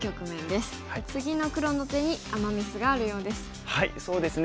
次の黒の手にアマ・ミスがあるようです。